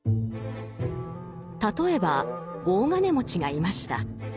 例えば大金持ちがいました。